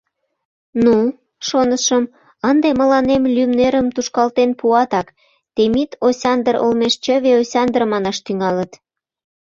«Ну, — шонышым, — ынде мыланем лӱмнерым тушкалтен пуатак, Темит Осяндр олмеш Чыве Осяндр манаш тӱҥалыт».